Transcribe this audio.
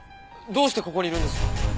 どうしてここにいるんですか？